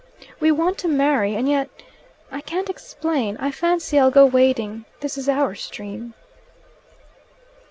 We want to marry, and yet I can't explain. I fancy I'll go wading: this is our stream."